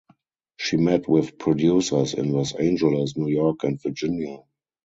She met with producers in Los Angeles, New York and Virginia.